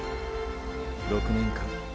６年間。